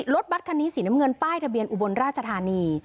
รถบัตรคันนี้สีน้ำเงินป้ายทะเบียนอุบลราชธานี